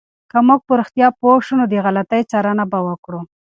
که موږ په رښتیا پوه شو، نو د غلطي څارنه به وکړو.